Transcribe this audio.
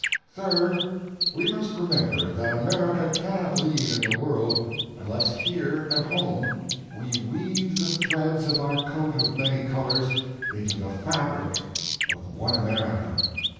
Third, we must remember that America cannot lead in the world unless here at home we weave the threads of our coat of many colors into the fabric of one America.